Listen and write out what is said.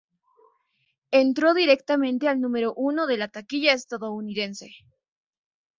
Entró directamente al número uno de la taquilla estadounidense.